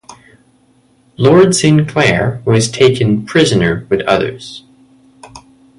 Lord Sinclair was taken prisoner with others.